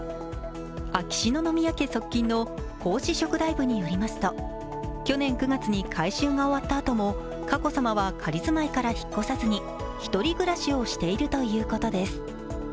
秋篠宮家側近の皇嗣職大夫によりますと、去年９月に改修が終わったあとも佳子さまも仮住まいから引っ越さずに、１人暮らしをしているということです。